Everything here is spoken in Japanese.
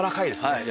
はい。